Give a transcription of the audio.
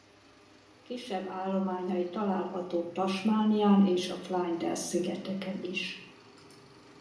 Kisebb állományai találhatók Tasmanián és a Flinders-szigeten is.